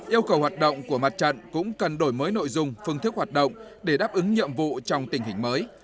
yêu cầu hoạt động của mặt trận cũng cần đổi mới nội dung phương thức hoạt động để đáp ứng nhiệm vụ trong tình hình mới